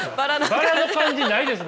バラの感じないです